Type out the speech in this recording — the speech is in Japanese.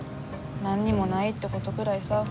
何にもないってことぐらいさ。